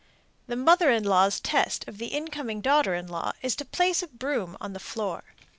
The mother in law's test of the incoming daughter in law is to place a broom on the floor.